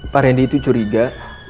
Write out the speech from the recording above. pak randy itu curiga